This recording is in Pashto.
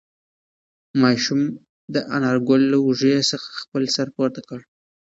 ماشوم د انارګل له اوږې څخه خپل سر پورته کړ.